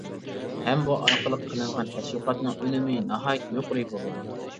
ھەم بۇ ئارقىلىق قىلىنغان تەشۋىقاتنىڭ ئۈنۈمى ناھايىتى يۇقىرى بولىدۇ.